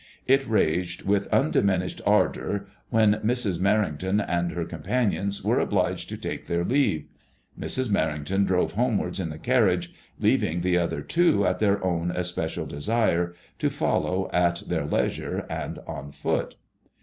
It raged with undiminished ardour when Mrs. Merrington and her companions were obliged to take their leave. Mrs. Merrington drove homewards in the carriage, leaving the other two, at their own especial desire, to follow at their leisure and on foot.